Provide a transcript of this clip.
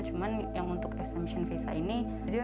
cuma yang untuk visa peninggalan ini itu bisa diberikan